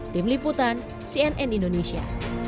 tim liputan cnn indonesia